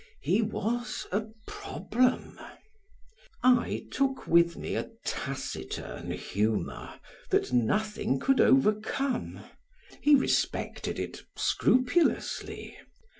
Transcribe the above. He was a problem. I took with me a taciturn humor that nothing could overcome; he respected it scrupulously.